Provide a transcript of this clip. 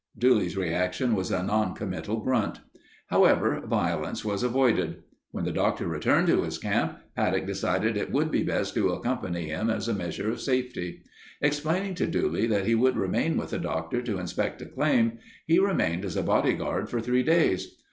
Dooley's reaction was a noncommittal grunt. However, violence was avoided. When the Doctor returned to his camp, Paddock decided it would be best to accompany him as a measure of safety. Explaining to Dooley that he would remain with the Doctor to inspect a claim, he remained as a body guard for three days.